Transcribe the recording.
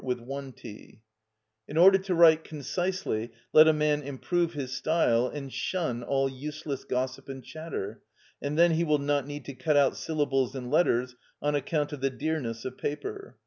_" In order to write concisely let a man improve his style and shun all useless gossip and chatter, and then he will not need to cut out syllables and letters on account of the dearness of paper.